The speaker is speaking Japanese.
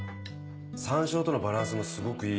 山椒とのバランスもすごくいい。